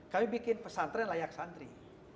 kami bikin pesan tren layak santri